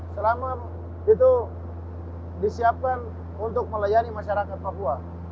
selama itu disiapkan untuk melayani masyarakat papua